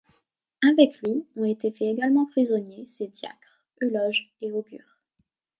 Avec lui, ont été faits également prisonniers ses diacres, Euloge et Augure.